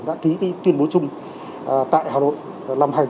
đã ký cái tuyên bố chung tại hà nội